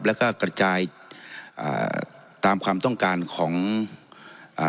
แล้วก็กระจายอ่าตามความต้องการของอ่า